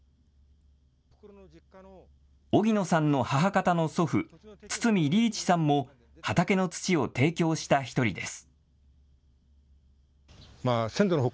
荻野さんの母方の祖父、堤利一さんも畑の土を提供した１人です。